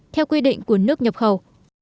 theo quy định của nước nhập khẩu